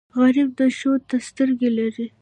غریب د ښو ته سترګې لري